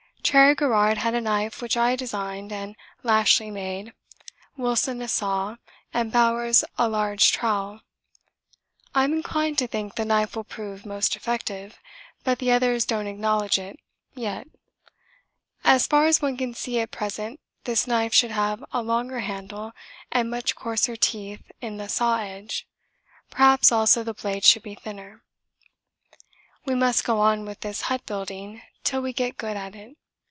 Cherry Garrard had a knife which I designed and Lashly made, Wilson a saw, and Bowers a large trowel. I'm inclined to think the knife will prove most effective, but the others don't acknowledge it yet. As far as one can see at present this knife should have a longer handle and much coarser teeth in the saw edge perhaps also the blade should be thinner. We must go on with this hut building till we get good at it.